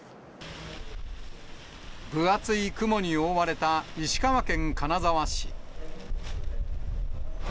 分厚い雲に覆われた石川県金沢市。